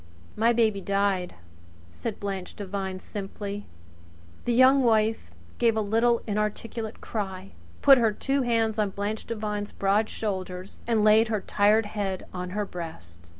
"My baby died," said Blanche Devine simply. The Young Wife gave a little inarticulate cry, put her two hands on Blanche Devine's broad shoulders and laid her tired head on her breast.